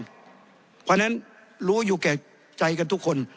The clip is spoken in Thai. เพราะฉะนั้นรู้อยู่แก่ใจกันทุกคน